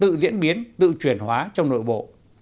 tự diễn biến tự truyền hóa trong nội bộ